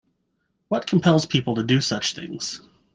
What compels people to do such things?